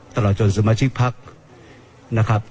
ตลอดจนสมาชิกพักนะครับ